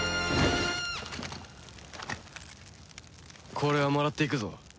これはもらっていくぞ。